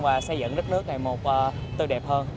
để xây dựng đất nước này một tư đẹp hơn